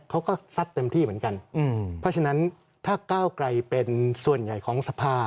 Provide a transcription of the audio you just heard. ซัดเต็มที่เหมือนกันเพราะฉะนั้นถ้าก้าวไกลเป็นส่วนใหญ่ของสภา